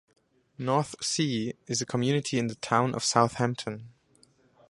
North Sea is a community in the Town of Southampton.